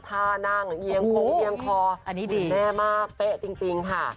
ท่านั่งเยี่ยงโค้งเยี่ยงคออุ่นแน่มากเป๊ะจริงค่ะ